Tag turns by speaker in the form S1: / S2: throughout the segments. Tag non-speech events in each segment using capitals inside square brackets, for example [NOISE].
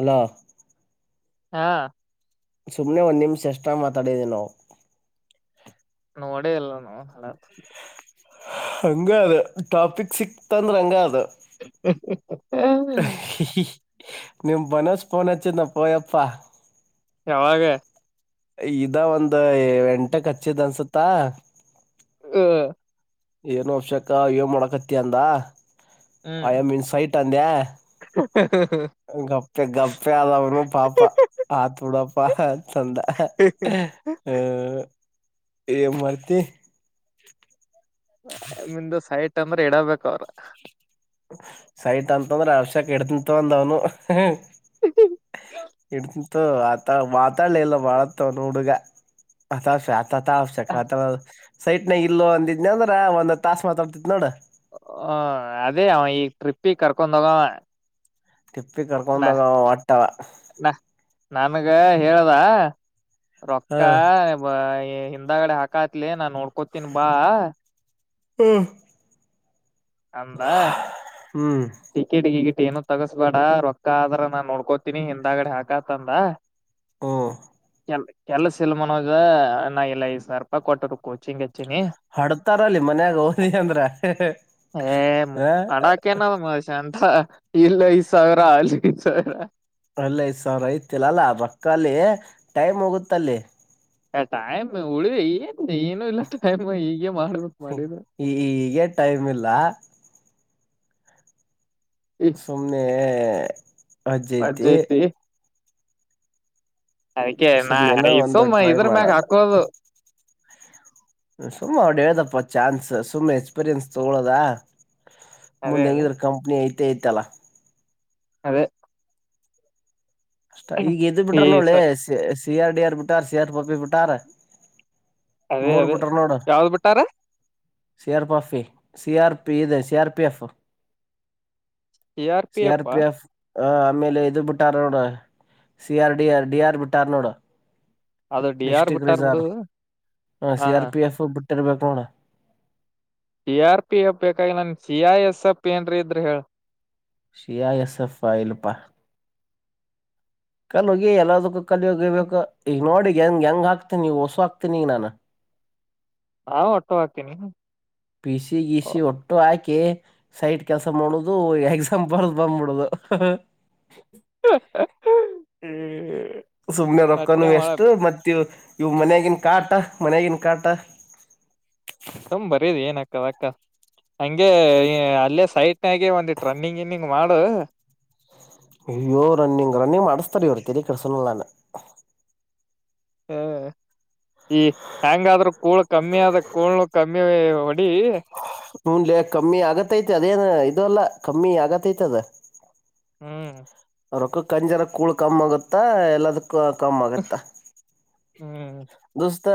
S1: Hello
S2: ಹಾ
S1: ಸುಮ್ನೆ ಒ್ ನಿಮ್ಷ ಎಷ್ಟ ಮಾತಾಡಿದಿ ನಾವು
S2: ನೋಡೇ ಇಲ್ಲ ಹಲತ್
S1: ಹಂಗ ಅದ ಟಾಪಿಕ್ ಸಿಕ್ತಂದ್ರೆ ಹಂಗ ಅದ
S2: ಹ
S1: ನೀವು ಬನೋಸ್್ ಪನಚಂದ ಪಯಪ್ಪಾ
S2: ಯಾವಾಗ
S1: ಇದ ಒಂದ ಎಂಟ ಕಚ್ಚಿದ ಅನ್ಸತ್ತಾ
S2: ಹ್ಮ
S1: ಏನು ಅಬ್ಷಕ ಏ ಮಾಡಕತ್ತ ಅಂದ
S2: ಹ್ಮ್
S1: ಐ ಎ ಮೀನ್ಸ್ ಸೈಟ್ ಅಂದ ಗಪ್ಪೆ ಗಪ್ಪೆ ಆದವ್ನು ಪಾಪ ಆತೂಡ ಪಹದ ಸಂದ ಹ ಮಾಡತಿ
S2: ನಿಂದು ಸೈ ಟ್ಟಂದ್ರೆ ಇಡಬೇಕ ಅವ್ರ
S1: ಸೈಟ್ ಅಂತಂದ್ರೆ ಅರ್ಷಕ್ ಇಡ್ತಂತು ಅಂದ ಅವನು ಇಡ್ತಿಂತು ಆತ ಮತ್ತಾಳಿ ಎಲ್ಲ ವಳರ್ತ ನುಡುಗ ಹದ ಸ ತ ಅವಶ್ಯಕ
S2: ಹ
S1: ಅಥವಾ ಸೈಟ್ನಾಗ ಇಲ್ಲೋ ಅಂದಿದ್ನ ಅಂದ್ರ ಒಂದ್ ತಾಸಸ್ ಮಾತಾಡ್ತಿತ್ ನೋಡ
S2: ಹ ಅದೇ ಅವನ್ ಈ ಟ್ರಿಪ್ಪಿ ಕರ್ಕೊಂಡೋಗ
S1: ತಿಪ್ಪಿ ಕರ್ಕೊಂಡಾಗ ಒಟ್ಟವ
S2: ನಾ ನನ್ಗ ಹೇಳದ
S1: ಹ
S2: ರಕ್ಕಾ ಹಂದಗಡೆ ಹಾಕ ಆತ್ಲಿ ನಾನ್ ನೋಡ್ಕೋತೀನ್ ಬಾ
S1: ಹ್ಮ
S2: ಅಂಬಾ
S1: ಹ್ಮ್
S2: ಟಿಕೆಟ್ಿಕಟ್ ಏನು ತಗಸ್ಬೇಡ ರೊಕ್ಕ ಆದ್ರ ನಾನ್ ನೋಡ್ಕೋತೀನಿ ಹಿಂದಗಡೆ ಹಾಕತಂದ
S1: ಹಾ
S2: ಕೆಲಸ ಇಲ್ ಮನೋಜ ನಾ ಇಲ್ಲ ಐ್ ಸಾವಿರ ರೂಪಾಯಿ ಕೊಟ್ಟರು ಕೋಚಿಂಗ್ ಹಚ್ಚಿನಿ
S1: ಹಡ್ತಾರಲ್ಲಿ ಮನ್ಯಾಗ ಓದಿ ಅಂದ್ರ
S2: ಹ ಮು
S1: ಹ
S2: ಅಡಾಕನ್ನ ಮಷ ಅಂತ ಇಲ್ಲ ಐದು್ ಸಾವಿರ ಅ ಸ
S1: ಅಲ್ಲೇ ಸ ಐತಿಲ್ಲಲ್ಲ ರೊಕ್ಕಾಲ ಟೈಮ್ ಹೋಗುತ್ತಲ್ಲಿ
S2: ಎ ಟಾಯಮ್ ಉಳಿವ ಏನು ಇಲ್ಲ ಟೈಮ್ ಹೀಗೇ ಮಾಡ್ಬೇಕಕ್ ಮಾಡಿದ
S1: ಈ ಈಗೆ ಟೈಮ್ ಇಲ್ಲ
S2: ಈ
S1: ಸುಮ್ನೆ ಹ
S2: ವಜ್ಜ
S1: ಅ್ೈತೆ [UNINTELLIGIBLE]
S2: ಐತಿ ಅದಕ್ಕೆ ನಾ
S1: ಸುಮ್ಮ್ನೆನೋ
S2: ಈ
S1: ಒಂದು
S2: ಸುಮ್ಮ
S1: ಟ್ರೈ
S2: ಇದ್ರ ಮ್ಯಾಗ
S1: ಮಾಡದು
S2: ಹಾಕೋದು
S1: ಸುಮ್ಮ ಅವ್ದ ಹೇಳ್ದಪ್ಪ ಚಾನ್ಸಸ್ ತುಂಬಾ ಎಕ್ಸ್ಪೀರಿಯೆನ್ಸ್ ತಗೊಳೋದಾ
S2: ಅದೇ
S1: ಮುಂದ್
S2: ಅದೇ
S1: ಹೆಂಗಿದ್ರ ಕಂಪ್ನಿ ಐ ಇತಲ್ಲ
S2: ಅದೇ
S1: ಅಷ್ಟ ಈಗ ಎದ್ದ್
S2: ಈ
S1: ಬಿಟ್ರ
S2: ಸ
S1: ನೋಳೆ ಸಿಯರ್ ಡಿಯಾರ್ ಬಿಟಾರ್ ಸಿಯರ್ ಪಪ್ಪಿ ಬಿಟಾರ
S2: ಅದೇ ಅದೇ ಯಾವ್ದ್ ಬಿಟ್ಟಾರ
S1: ಸಿಆರ್ ಸಿಆರ್ಪಿ ಇದೆ CR PF
S2: C R P ಅಪ್ಪ
S1: ಹ ಆಮೇಲೆ ಇದ್ ಬಿಟ್ಟಾರ ನೋಡ ಸಿಆರ್ ಡಿಆರ್ ಡಿಆರ್ ಬಿಟಾರ್ನೋಡ
S2: ಅದು ಡಿ ಆಾರ್ ಬಿಟ್ಟಾರ್ ಬಿಡು ಹ
S1: ಸ ರಪ ಕೊೋಣ
S2: ಸಿಆರ್ ಪಿ ಎಫ್ ಬೇಕಾಗಿ ನನ್ ಸಿಐ ಎಸ್ ಎಪ್ ಏನ್ರ ಇದ್ರ ಹೇಳ
S1: ಸಿ ಐ ಎಸ್ ಎಫ್ ಇಲ್ಪಾ ಕಲ್ೋಗಿ ಎಲ್ಲದಕ್ಕೂ ಕಲ್ೋಗಿಬೇಕ ಈಗ ನೋಡಿಗ್ ಹೆಂಗ್ ಹೆಂಗ ಆಕ್ತೀನಿ ಹೊಸು ಹಕ್ತೀನಿ ಈಗ ನಾನ
S2: ನಾ ಒಟ್ಟ ಹ್ತೀನಿ
S1: ಪಿಸಿ ಗೀಿಸಿ ಒಟ್ಟು ಹಾಕಿ ಸೈಟ್ ಕೆಲ್ಸ ಮಾಡುದು ಎಕ್ಸಾಮ್ ಬರದು್ ಬಂದ್ಬಿಡದು ಹ್ಮ್ ಹ ಸುಮನೆ ರೊಕ್ಕನು
S2: ಅಟ್ಟೆ ಮಾಡ
S1: ಎಷ್ಟು ಮತ್ತ ಇವು ಮನ್ಗನ್ ಕಾಟ ಮನಗನ್ ಕಾಟ
S2: ಅದಕ್ಕ ಹಗೆ ಅಲ್ಲೇ ಸೈಟ್ನಾಗ ಒಂದಿಟ್ಟ ರನ್ನಿಂಗ್ ಇನ್ನಿಂಗ್ ಮಾಡು
S1: ಅಯ್ಯೋ ರನ್ನಿಂಗ್ ರನ್ನಿಂಗ್ ಮಾಡ್ ತಲಿ ತಿರಿ ಕೃಷುಲ್ಲ
S2: ಹ ಈ ಹೆ್ಯಾಂಗಾದ್ರೂ ಕೂಳ ಕಮ್ಮಿ ಆದದ ಕೂಳ್ ಕಮ್ಮಿ ಹೊಡಿ
S1: ಹನ್ಲೆ ಕಮ್ಮಿ ಆಗತ್ತೈತೆ ಅದೇನ್ ಇ ಅಲ್ಲ ಕಮ್ಮಿ ಆಗತ್ತೈತೆ ಅದ
S2: ಹ್ಮ್
S1: ಅವ್ರೊಕ್ಕ ಕಂಜರ ಕಳ ಕಮ್ಮ ಆಗುತ್ತಾ ಎಲ್ಲದ ಕಮ್ಮ್ ಆಗತ್ತ
S2: ಹ್ಮ್
S1: ದೋಸ್ತ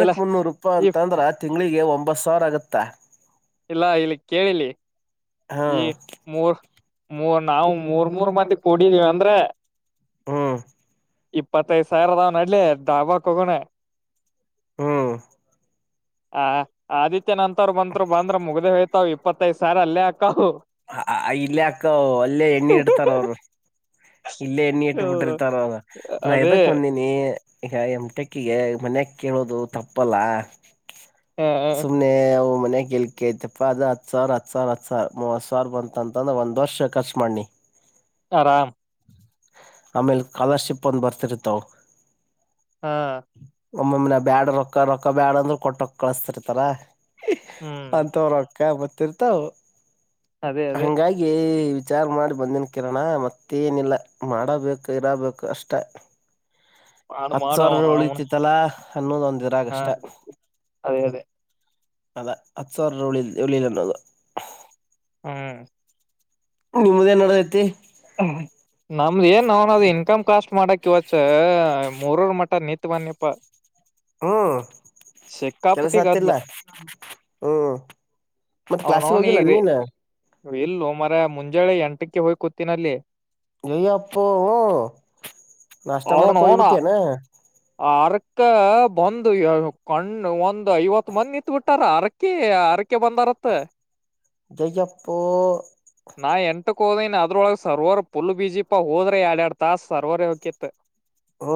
S2: ಇಲ್ಲ
S1: ಮುನ್ನೂರು ರೂಪಾಯ
S2: ಈ
S1: ಅಂತ ಅಂದ್ರೆ ಆ ಅಂಗ್ಗಳಿಗೆ ಒಂಬತ್ ಸಾವಿರ ಆಗುತ್ತಾ
S2: ಇಲ್ಲಾ ಇಲ್ಲಿ ಕೇಳಲಿ
S1: ಹಾ
S2: ಈ ಮೂರ್ ಮೂ ನಾವವು ಮೂರ್ ಮೂರ್ ಮಂದಿ ಕೊಡಿದೀವಿ ಅಂದ್ರೆ
S1: ಹ್ಮ್
S2: ಇಪ್ಪತ್ತೈ್ ಸಾವಿರದಾವನ ಅಡ್ಲಿ ದಾವಕ್ ಹೋಗೋಣ
S1: ಹ್ಮ್
S2: ಹ ಆದಿತ್ಯ ನಂತವ್ರು ಬಂತತ್ರು ಬಂದ್ರೆ ಮುಗ್ದ ಹೋಯ್ತಾವ್ ಇಪ್ಪತ್ತೈದ ಸಾವ ಅಲ್ಲೇ ಆಕ್
S1: ಇಲ್ಲ ಅಕ್ಕ ಅಲ್ಲೇ ಎಣ್ಣಿ ಇಡ್ತಾರ ಅವರು ಇಲ್ಲೇ ಎಣ್ಣಿ ಇಟ್ಟ
S2: ಹೌದು
S1: ಬಿಟಿರ್ತಾರ ನಾ
S2: ಅದೇ
S1: ಎದಕ್ ಬಂದೀಿನಿ ಈಗ ಎಮಟೆಕ್ಕಿಗೆ ಮನ್ಯ ಕೇಳೋದು ತಪ್ಪಲ್ಲ
S2: ಹ
S1: ಸುಮನೆ ಮನ ಕಳ್ಕಪ್ಪ ಅ ಅರ್ತ್ ಾರ್ ಬಂತ ಅಂತಂದ್ರೆ ಒಂದ್ ವರ್ಷ ಖರ್ಚು ಮಾಡನಿ
S2: ಆರಾಮ
S1: ಆಮೇಲೆ ಸ್ಕಾಲರ್ಶಿಪ್ ಒಂದು ಬರ್ತಿರುತ್ತಾವು
S2: ಹಾ
S1: ಒಮ್ಮಮ್ಮಿ ನಾ ಬ್ಯಾಡ ರೊಕ್ಕ ರೊಕ್ಕ ಬ್ಯಾಡ ಅಂದ್ರರು ಕೊಟ್ಟಕ್ ಕಳಸ್ತಿರ್ತಾರ
S2: ಹ್ಮ್
S1: ಅಂತವ್ರೊಕ್ಕ ಮತ್ತ ತರ್ತಾ
S2: ಅದೇ ಅದೇ
S1: ಹಂಗಾಗಿ ವಿಚಾರ ಮಾಡಿ ಬಂದಿನ ಕಿರಣಣ ಮತ್ತೇನಿಲ್ಲ ಮಾಡಬೇಕು ಇರಬೇಕು ಅಷ್ಟ
S2: ಮಾಡ
S1: ಹತ್ತು ಸಾವಿರ
S2: ಮಾಡವಣ ಅವನು
S1: ಉಳಿತಿತ್ತಲಾ ಹನ್ನೊಂದು ಒಂದಿರ
S2: ಹ
S1: ಆಗಷ್ಟ
S2: ಅದೇ ಅದೇ
S1: ಅದಾ ಹತ್ತು ಸಾವಿರ ಉಳಿಲ್ ಉಳಿಿಲ್ಲ ಅನ್ನೋದು
S2: ಹ್ಮ್
S1: ನಿಮ್ಮ್ದ ಏನ್ಡೈತಿ
S2: ನಾ ಏನ್ ನ ಅವನ ಅದು ಇನ್ಕಮ್ ಕಾಸ್ಟ್ ಮಾಡಕ್ ವಚ್ ಮೂರೂರ್ ಮಟ ನಿತ್ ಬಂದಿತ್ತು
S1: ಹ್ಮ್ ಕೆಲಸ
S2: ಗದ್ಲ
S1: ಆತಿಲ್ಲ ಹ್ಮ್ ಮತ್ತೆ ಕ್ಲಾಸಿಗೆ ಹೋಗಿಲ್ಲ ನೀನ್
S2: ಇಲ್ಲೂ ಮರ ಮುಂಜಾಳೆ ಎಂಟಕ್ಕೆ ಹೋಗಿ ಕ ತಿನಲ್ಲಿ
S1: ಜಯ ಅಪ್ಪ ನಷ್ಟ ಮಾಡಡೋಯ್ಬಟ್ಟಿಯಾನ
S2: ತ್ತ ಬಂದು ಕಣ್ಣು ಒಂದು ಐವತ್ಂದಿ ನಿಂತತ್ ಬಿಟ್ಟಾರ ಅ ಅಕಿ ಅರಕೆ ಬಂದಾರತ್ತ
S1: ಜೈಅಪ್ಪು
S2: ಕೋವಿನ ಅದ್ರೊಳ ಸರ್ವರ್ ಪುಲ್ ಬೀಜಿಪಾ ಹೋದ್ರೆ ಎಡ್ ಎಡ್ ತಾಸ ಸರ್ವರ್ ಹೋಗಕಿತ್
S1: ಹ್ಮ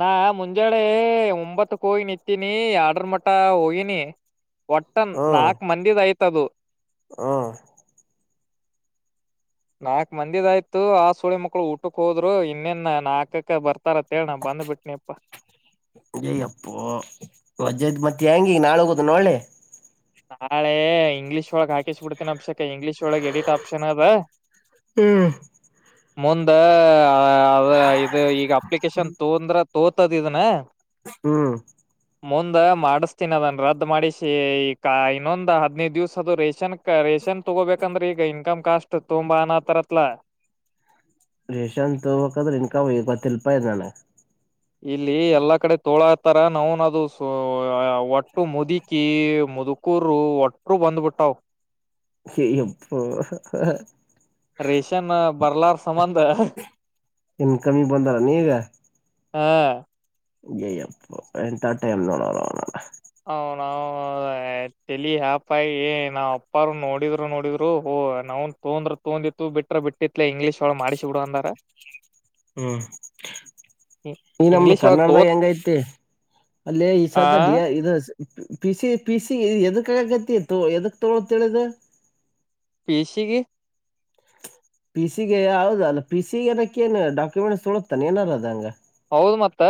S2: ನಾ ಮುಂಜಳೆ ಒಂಬತ್ತು ಕವಿ ನಿಂತೀನಿ ಆರ್ಡ್ರ ಮಟ್ಟ ಹೋಗೀಿನಿ ಒಟ್ಟನ್ ನಾಕ್ ಮಂದಿದ್ ಐ್ತದು
S1: ಹಾ
S2: ನಾಕ್ ಮಂದಿದ ಆಯ್ತು ಆ ಸುಳಿ ಮಕ್ಳು ಊಟಕ್ ಹೋದ್ರು ಇನ್ನಿನ್ ನಾಲ್ಕಕ ಬರ್ತ
S1: ಜೈ ಅಪ್ಪ ವಜದ ಮತ್ತೆ ತ್ಯಾಗಿ ಈಗ ನಾಳ ಹೋದು ನೋಡೆ
S2: ನಾಳೆ ಇಂಗ್ಲೀಷ್ ಒಳಗ್ ಹಾಕಿಸ್ಬಿಡ್ತೀನ ಅಷಕ್ ಇಂಗ್ಲಿಷ್ ಒಳಗೆ ಎಡಿಟ್ ಆಪ್ಷನ್ ಅದೆ
S1: ಹ್ಮ್
S2: ಮುಂದೆ ಅ ಇದು ಈಗ ಅಪ್ಲಿಕೇಶನ್ ತೊಂದ್ರ ತೋತದ ಇದನ
S1: ಹ್ಮ್
S2: ಮುಂದ ಮಾಡಸ್ತೀನ ಅದನ್ ರದ್ದು ಮಾಡಿ ಶ ಈ ಇನ್ನೊಂದ್ ಹದಿನೈದು ದಿವ್ಸ ಅದು ರೇಷನ್ ರೇಷನ್ ತಗೋಬೇಕು ಯಾಕಂದ್ರೆ ಈಗ ಇನ್ಕಮ್ ಕಾಸ್ಟ್ ತುಂಬಾ ಅನಾ ತರತ್ಲ
S1: ರೇಷಾನ್ ತಗಕದ್ರೆ ಇನ್ಕವತ್ತು ರೂಪಾಯಿ ನಾನ
S2: ಇಲ್ಲಿ ಎಲ್ಲಾ ಕಡೆ ತೋಳ ಹತಾರ ನಾವ್ನದು ಒಟ್ಟು ಮುದುಕಿ ಮುದುಕೂರು ಒಟ್ರು ಬಂದ್ಬಿಟ್ಟಾವ್
S1: ಕ ಹ
S2: ರೇಷನ್ ಬರ್ಲಾರ್ ಸಂಬಂಧ
S1: ಇನ್ ಕಮ್ಮಿ ಬಂದಾರ ನೀಗ
S2: ಹಾ
S1: ಜಯ ಟೈಮ ನೋಡಲ್ಲ
S2: ನಾವ್ ತಲಿ ಯಪಾಯ ಏ ನಾವ್ ಅಪ್ಪಾರರು ನೋಡಿದ್ರು ನೋಡಿದ್ರು ಓ ನಾನ್ ತೋಂದ್ರ ತೋಂದಿತ್ತು ಬಿಟ್ರ ಬಿಟ್ಟಿತ್ಲ ಇಂಗ್ಲೀಷ್ ಒಳ ಮಾಡಿಸಿ ಬಿಿಡು ಅಂದಾರ
S1: ಹ್ಮ್ ಈ ನಮ್ದ
S2: ಇಂಗ್ಲೀಷ್ ಒಳ
S1: ಕನ್ನಡದಾಗ
S2: ತೋತ್
S1: ಹೆಂಗ ಐತಿ ಅಲ್ಲೇ ಈ
S2: ಆ
S1: ಸಲ್ತ ಡ ಇದ ಪಿಸಿ ಪಿಸಿ ಎದಕ್ ಆಗಕತಿ ತ ಎದಕ್ ತೊಳೋಂತ ಹೇಳ ಅದು
S2: ಪಿಸಿಗೆ
S1: ಪಿಸಿಗೆ ಹೌದ ಅಲ್ಲ ಪಿಸಿಗೆ ಅದಕೆನ್ ಏನು ಡಾಕ್ಯುಮೆಂಟ್ಸ್ ತೊಳತಾನ ಏನಾರದ ಹಂಗ
S2: ಹೌದು ಮತ್ತ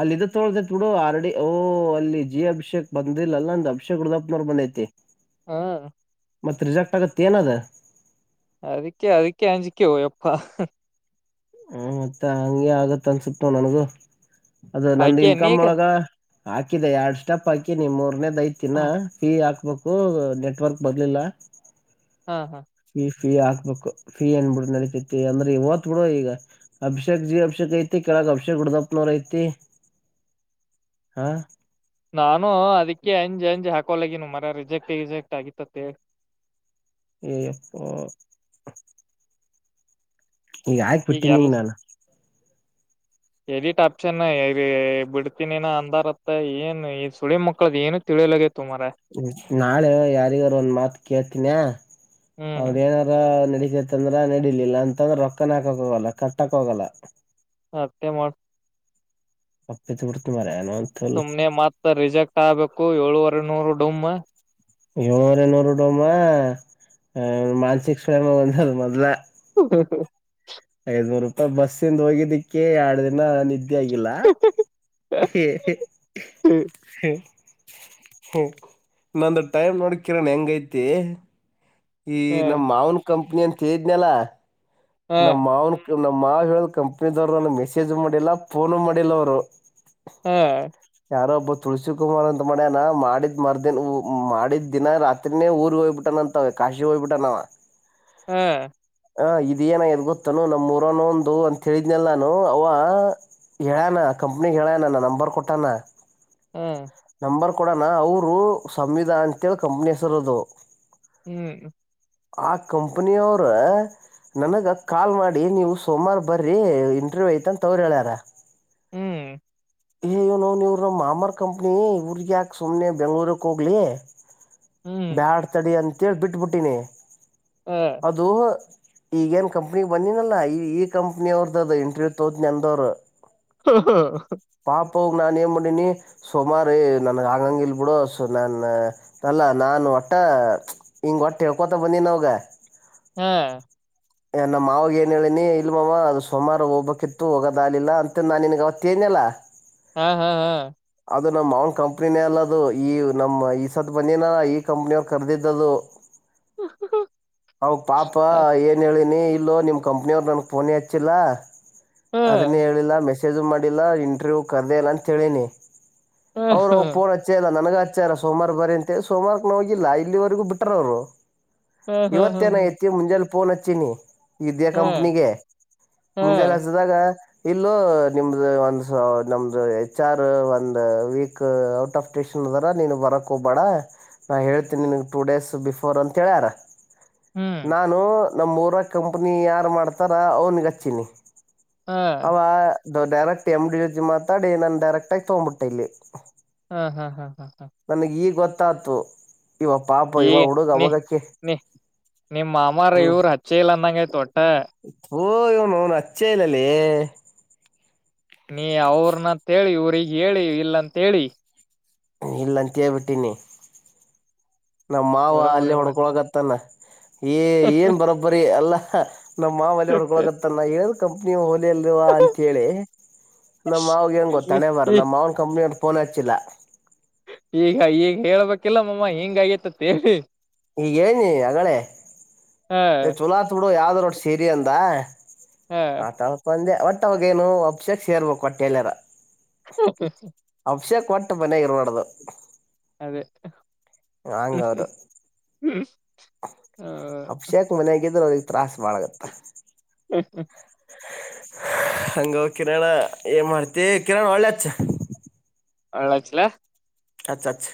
S1: ಅಲ್ಲಿ ಇದ ತೊಳತೈತ್ ಬಿಡು ಆಲ್ರೆಡಿ ಓಹ ಅಲ್ಲಿ ಜಿ ಅಭಿಷೇಕ್ ಬಂದಿಲ್ಲಲ್ಲಂದ ಅಭಿಷೇಕ್ ಡದಪ್ನವರ್ ಬಂದೈತಿ
S2: ಹಾ
S1: ಮತ್ತ ರಿಸೆಕ್ಟ್ ಆಗತ್ತೆ ಏನದ
S2: ಅದಕ್ಕೆ ಅದಕ್ಕೆ ಅಂಜಿಕೆಯೋ ಅಪ್ಪ
S1: ಹ್ಮ ಮತ್ತೆ ಹಂಗೆ ಆಗತ್ ಅನ್ಸುತ್ತ ನ ನನ್ಗು ಅದ ನಂದು
S2: ಆಕೆ
S1: ಇನ್ಕಮ್
S2: ನೀಗ
S1: ಒಳಗ ಹಾಕಿದೆ ಎರಡ್ ಸ್ಟೆಪ್ ಹಾಕಿ ನಿಮ್ ಮೂರ್ನೆೇದು ಐತಿ ಇನ
S2: ಹ
S1: ಆ ಮಕ್ಕು ನೆಟ್ವರ್ಕ್ ಬರ್ಲಿಲ್ಲ
S2: ಹಾ ಹಾ
S1: ಫೀ ಫೀ ಹಾಕ್ಬೇಕು ಫೀ ಏನ್ ಬಿಡು ನಡಿತೈತಿ ಅಂದ್ರೆ ಓತ್ ಬಿಡು ಈಗ ಅಭಿಷೇಕ್ ಜಿ ಅಭಿಷೇಕ್ ಐತಿ ಕೆಳಗ್ ಅಭಿಷೇಕ್ ಹುಡದಪ್ನೋರ್ ಐತಿ ಹಾ
S2: ನಾನು ಅದಿಕ್ಕೆ ಅಂಜ್ ಅಂಜ್ ಹಾಕೊಳಗಿನ ಮರ ರಿಜೆಕ್ಟ್ ಜೆಕ್ಟ್ ಆಗಿತ್ತತ್ತ
S1: ಏ ಯಪ್ಪ ಈಗ ಆಯಕ್ ಬಿಟ್ಟೀನಿಗ ನಾನು
S2: ಎದಿಟ್ ಅಪ್ಚನ್ ಇ ಬಿಡ್ತೀನಿನ ಅಂದಾರತ್ತ ಏನ್ ಈ ಸುಳಿ ಮಕ್ಳದ ಏನು ತಿಳಿಯಲಗೇತಿ
S1: ನಾಳೆ ಯಾರಿಗಾರ ಒಂದ್ ಮಾತ್ ಕೇಳ್ತೀನಿ
S2: ಹ್ಮ್
S1: ಅವ್ರ ಏನಾರ ನಡಿ ತಂದ್ರ ನಡಿಲಿಲ್ಲ ಅಂತಂದ್ರೆ ರೊಕ್ಕನ್ ಹಾಕಕ್ ಹೋಗಲ್ಲ ಕಟ್ಟಕ್ ಹೋಗಲ್ಲ
S2: ಹತ್ತೆ ಮಾಡ
S1: ಅಪ್ಪಿ ತಪ್ಪಿದ ಮರಯ
S2: ಸುಮ್ನೆ ಮತ್ತ ರಿಜೆಕ್ಟ್ ಆಗ್ಬೇಕು ಕ್ಕೋ ಏಳೂವರೆ ನೂರು ಡಮ್ಮ
S1: ಏಳ್ನೂರ ನೂರು ಡೋಮ್ಮ ಮಾನ್ಸಿಕಕ್ ಸ್ವಯಾಮ ಒಂದದ ಮೊದ್ಲ
S2: ಹ್ಮ ಹ್ಮ
S1: ಐದನೂರು ರೂಪಾಯಿ ಬಸ್ಸಿಂದ ಹೋಗಿದ್ದಿಕ್ಕೆ ಎರಡ್ ದಿನ ನಿದ್ದೆ ಇದ ಆಗಿಲ್ಲ ಹೆ ಹೆ ಹ ನಂದು ಟೈಮ್ ನೋಡಿ ಕಿರಣ್ ಹೆಂಗೈತಿ ಈ
S2: ಹ
S1: ನಮ್ ಮಾವನ್ ಕಂಪ ಹೇಳಿದ್ನಲ್ಲ
S2: ಹ
S1: ನಮ್ಮ ಮಾವನು ಇ ನಮ್ಮ ಮಾವಗೆ ಹೇಳಿದ ಕಂಪ್ನಿದವರು ನನ್ನ ಮೆಸೇಜ್ ಮಾಡಿಲ್ಲ ಫೋನು ಮಾಡಿಲ್ಲ ಅವ್ರು
S2: ಹಾ
S1: ಯಾರೋ ಒಬ್ಬ ತುಳಸಿ ಕುಮಾರ್ ಅಂತ ಮಾಡ್ಯನ ಮಾಡಿದ್ ಮರ್ದಿನ್ ಮಾಡಿದ್ ದಿನಾರಿನೇ ಊರಿಗೆ ಹಯ್ಬಿಟ್ಟಾನ ಅಂತವ ಕಾಶಿ ಹೋಯ್ಬಿಟ್ಟನವ
S2: ಹ್ಮ್
S1: ಹಾ ಇ ಇದ ನ ಎದ್ ಗೊತ್ತಾನ ನಮ್ಮೂರನ ಒಂದು ಅಂತ ಹೇಳಿದ್ನಲ್ಲ ನಾನು ಅವ ಹೇಳಣ ಕಂಪ್ನಿಿಗೆ ಹೇಳಣ ನ ನಂಬರ್ ಕೊಟ್ಟಾನ
S2: ಹ್ಮ
S1: ನಂಬರ್ ಕೊಡೋಣ ಅವರು ಸಂವಿಧಾನಂತೇಳಿ ಕಂಪ್ನಿ ಹೆಸರೋದು
S2: ಹ್ಮ್
S1: ಆ ಕಂಪನಿಯವ್ರ ನನಗ ಕಾಲ್ ಮಾಡಿ ನೀವು ಸೋಮಾರ ಬರ್ರೀ ಇಂಟ್ರವ್ಯೂ ಐತ ಅಂತ ಅವವ್ರ ಹೇಳ್ಯಾರ
S2: ಹ್ಮ್
S1: ಯ್ಯ ನೋನ್ ಇವ್ರ ನಮ್ಮ ಮಾಮಾರ್ ಕಂಪ್ನಿ ಇವರ್ಗ್ಯಾಾಕ ಸುಮ್ನೆ ಬೆಂಗ್ಳೂರ್ಕ್ ಹೋಗ್ಲಿ
S2: ಹ್ಮ್
S1: ಬ್ಯಾಡ್ ತಡಿ ಅಂತ ತಿೇಳಳ್ಿ ಬಿಟ್ಬಿಟ್ಟೀನಿ
S2: ಹ
S1: ಅದು ಈಗೇನ್ ಕಂಪ್ನಿ ಬಂದಿನಲ್ಲಾ ಈ ಈ ಕಂಪ್ನಿ ಅವ್ರದ್ದದು ಇಂಟ್ರವ್ಯೂ ತೋದ್ ನೆಂದವ್ರು
S2: ಹಾ ಹಾ
S1: ಪಾಪ ಹೋಗ ನಾನು ಏನ್ ಮಾಡೀಿನಿ ಸುಮಾರು ನನ್ಗೆ ಆಗಂಗ ಇಲ್ ಬಿಿಡು ಸೊ ನಾನ ಅಲ್ಲ ನಾನು ಒಟ್ಟ ಹಿಂಗ ಹೊಟ್ಟೆ ಯಕೋತ ಬಂದೀನಿ ಅವಾಗ
S2: ಹ್ಮ್
S1: ಏ ನಮ್ಮ್ ಮಾವಾಗ ಏನ್ ಹೇಳಿನಿ ಇಲ್ ಮಾವ ಅದು ಸುಮಾರು ಹೋಗ್ಬೇಕಿತ್ತು ಹೋಗದಾಲಿಲ್ಲ ಅಂತ ನಾನ್ ನಿನ್ಗ ಅವತ್ತ ಏನಯಲ್ಲಾ
S2: ಹಾ ಹಾ ಹಾ
S1: ಅದು ನಮ್ಮ ಅವ್ನ ಕಂಪ್ನಿನೇ ಅಲ್ಲದು ಈ ನಮ್ಮ ಈ ಸತ್ತು ಬಂದನ ಈ ಕಂಪ್ನಿಯ ಅವ್ರು ಕರೆದಿದ್ದದು ಹ ಪಾಪ
S2: ಹಾ
S1: ಏ ನೀ ಇಲ್ಲೋ ನಿಮ್ ಕಂಪ್ನಿಯ ಅವರು ನನ್ಗ್ ಫೋನ ಹಚ್ಚಿಲ್ಲ
S2: ಹ
S1: ಅದನ್ನೇ ಹೇಳಿಲ್ಲ ಮೆ ಸೇಜು ಮಾಡಿಲ್ಲ ಇಂಟ್ರವ್ಯೂ್ ಕರೆದೇ ಇಲ್ಲ ಅಂತೇಳೀನಿ ಅವ್ರ ಅವ ಪೂರ್ ಅಚ್ಚೆ ಇಲ್ಲ ನನಗ ಆಚಾರ ಸೋಮವಾರ ಬರ ಅಂತೆ ಸೋಮವಾರಕ್ಕೆ ನ ಹೋಗಿಲ್ಲ ಇಲ್ಲಿವರೆಗೂ ಬಿಟ್ರ ಅವ್ರು
S2: ಹ ಹ ಹ
S1: ಇವತ್ತೇನ
S2: ಹ
S1: ಎತ್ತಿ ಮುಂಜೆಲ್ ಪೊಲೆ ಚನ್ನಿ ವಿದ್ಯಾ
S2: ಹ ಹ
S1: ಕಂಪನಿಗೆ
S2: ಹಾ
S1: ಮುಂಜೆಲ್ಲ ಹಸದಾಗ ಇಲ್ಲೂ ನಿಮ್ದ ಒಂದು ಸ ನಮ್ದು ಹೆಚ್ ಆರ್ ಒಂದು ವೀಕ್ ಔಟ್ ಆಫ್ ್ಟೂಷನ್ ಅದಾರ ನೀನು ಬರಕ್ ಹೋಗ್ಬೇಡ ನ ಹೇಳ್ತೀನಿ ನಿಿನಗೆ ಟೂ ಡೇಸ್ ಬಿಫೋರ್ ಅಂತ ಹೇಳ್ಯಾರ
S2: ಹ್ಮ್
S1: ನಾನು ನಮ್ಮ ಊರ ಕಂಪ್ನಿ ಯಾರು ಮಾಡ್ತಾರ ಅವ್ನಿಗೆ ಹಚ್ಚಿನಿ
S2: ಹಾ
S1: ಅವ ಡೈರೆಕ್ಟ್ ಎಮ್ ಡಿ ರಜಿ ಮಾತಾಡಿ ನನ್ ಡೈಕ್ಟ್ಗ ತಗ್ಬಿಟ್ಟೆ ಇಲ್ಲಿ
S2: ಹಾ ಹಾ ಹಾ ಹಾ ಹಾ
S1: ತತ್ತುು ಇವ ಪಾಪ
S2: ಈ
S1: ಇವ ಹುಡುಗ
S2: ನೀ
S1: ಅವವಾಗಕ್ಕೆ
S2: ಇವ್ರುಚ್ಚ ಇಲ್ಲ ಅಂದಂಗಗೆ
S1: ಹ ಓಹ್ ಇವನು ಹಚ್ಚೆ ಇಲ್ಲಲೆ.
S2: ನೀ ಅವ್ರನಂತೇಳಿ ಇವ್ರಿಗೆ ಹೇಳಿ ಇಲ್ಲ ಅಂತ ಹೇಳಿ.
S1: ಇಲ್ಲ ಅಂತ ಹೇಳ್ಬಿಟ್ಟೀನಿ. ನಮ್ಮ ಮಾವ
S2: ಬರೋಬರಿ
S1: ಅಲ್ಲ
S2: ಮಾಡಿ
S1: ಹೊಡ್ಕೊಳಗತ್ತಾನ. ಏ ಏನ್ ಬರೋಬ್ಬರಿ ಅಲ್ಲ. ನಮ್ಮ್ ಮಾವ ಹೊಡ್ಕೊಳೋಗತ್ತ ನಾ ಎಲ್. ಕಂಪನಿ ಹೊಗಿ- [INAUDIBLE] ಲ್ವಾ ಅಂತ ಹೇಳಿ ನಮ್ ಮಾವಾಗ ಏನ್ ಗೊತ್ತ
S2: ಈ
S1: ಹಣೆಬರಹ
S2: ಈ
S1: ನಮ್ಮ್ ಮಾವ ಕಂಪ್ನಿ ಅದ. ಫೋನ್ ಹಚ್ಚಿಲ್ಲ.
S2: ಈಗ ಈಗ ಹೇಳ್ಬೇಕಿಲ್ಲ ಮಾಮ ಹಿಂಗ ಆಗೇತಿ ಅಂತ ಹೇಳಿ.
S1: ಈಗ ಹೇಳಿನಿ ಆಗಲ್ಲೇ
S2: ಹಾ
S1: ಚಲೋ ಆತ ಬಿಡೋ ಯಾವ್ದರ ಒಟ್ಟ ಸೇರಿ ಅಂದ.
S2: ಹಾ
S1: ಆತ ಅನ್ಕೊಂಡೆ. ಒಟ್ಟ ಅವಗೇನು ಅಭಿಷೇಕ್ ಸೇರ್ಬೇಕು ಒಟ್ಟೆಲ್ಲಾರ.
S2: [UNINTELLIGIBLE]
S1: ಅಭಿಷೇಕ್ ಒಟ್ಟ ಮನೆಯಾಗ ಇರಬಾರ್ದು.
S2: ಅದೇ-
S1: ಹಂಗ ಅದ
S2: ಹ್ಮ ಹ್ಮ
S1: ಅಭಿಷಕ್ ಮನ್ಯಾಗಿದ್ರ. ತ್ರಾಸ ಭಾಳ ಆಗುತ್ತ.
S2: ಹ್ಮ್ ಹ್ಮ
S1: ಹಂಗ ಕಿರಣಾ ಏನ್ ಮಾಡ್ತಿ ಕಿರಣಾ ಹೊಳ್ಳಿ ಹಚ್ಚ.
S2: ಹೊಳ್ಳಿ ಹಚ್ಚ್ಲಾ.
S1: ಹಚ್ಚ ಹಚ್.